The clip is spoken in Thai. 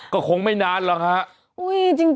ก็คงไม่นานแล้ว